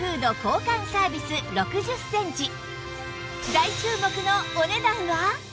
大注目のお値段は？